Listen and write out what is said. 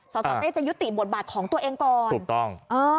สสเต้จะยุติบทบาทของตัวเองก่อนถูกต้อง